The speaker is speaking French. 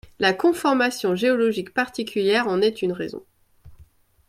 La conformation géologique particulière en est une raison.